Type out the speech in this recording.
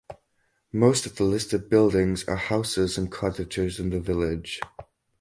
Most of the listed buildings are houses and cottages in the village.